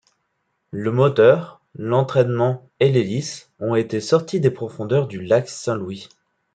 Le moteur, l'entrainement et l'hélice ont été sortis des profondeurs du lac Saint-Louis.